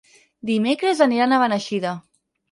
Dimecres aniran a Beneixida.